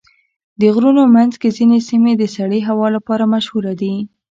د غرونو منځ کې ځینې سیمې د سړې هوا لپاره مشهوره دي.